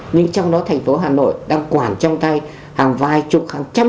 nhưng trong đó thành phố hà nội đang quản trong tay hàng vài chục hàng trăm